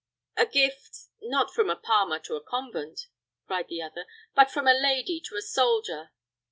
"A gift not from a palmer to a convent," cried the other, "but from a lady to a soldier!"